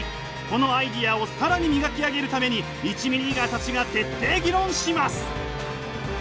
このアイデアを更に磨き上げるために１ミリーガーたちが徹底議論します！